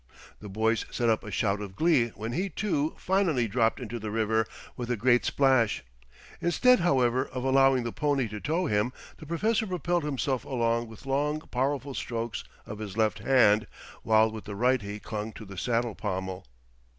The boys set up a shout of glee when he, too, finally dropped into the river with a great splash. Instead, however, of allowing the pony to tow him, the Professor propelled himself along with long powerful strokes of his left hand, while with the right he clung to the saddle pommel.